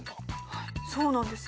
はいそうなんです。